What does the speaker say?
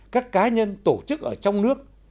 các cá nhân tổ chức ở trong nước